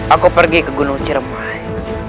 aku pergi ke gunung ciremai